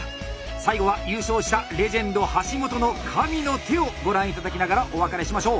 最後は優勝したレジェンド橋本の神の手をご覧頂きながらお別れしましょう！